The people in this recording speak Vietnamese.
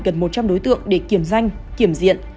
cần một trăm linh đối tượng để kiểm danh kiểm diện